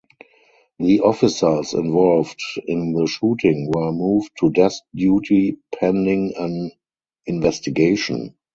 The officers involved in the shooting were moved to desk duty pending an investigation.